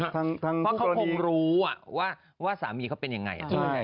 เพราะเขาคงรู้ว่าสามีเขาเป็นยังไง